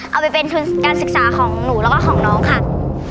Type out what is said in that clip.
เอาไปเป็นทุนการศึกษาของหนูแล้วก็ของน้องค่ะ